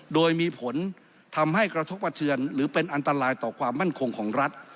โดยมีผลทำให้กระทบกระเทือนหรือเป็นอันตรายต่อความมั่นคงของรัฐ